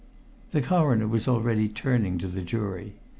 The Coroner was already turning to the jury.